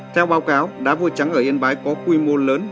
theo báo cáo đá vôi trắng ở yên bái có quy mô lớn